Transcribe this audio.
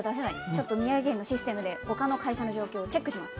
ちょっと宮城県のシステムで他の会社の状況をチェックします。